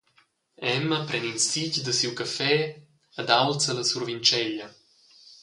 Emma pren in sitg da siu caffè ed aulza la survintscheglia.